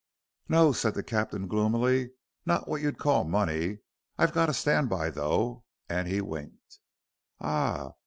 "No," said the captain, gloomily, "not what you'd call money. I've got a stand by, though," and he winked. "Ah!